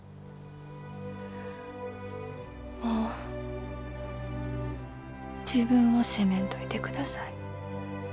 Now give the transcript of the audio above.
もう自分を責めんといてください。